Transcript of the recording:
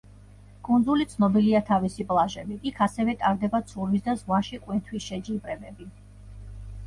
კუნძული ცნობილია თავისი პლაჟებით, იქ ასევე ტარდება ცურვის და ზღვაში ყვინთვის შეჯიბრებები.